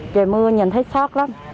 trời mưa nhìn thấy sót lắm